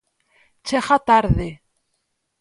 ¡Chega tarde!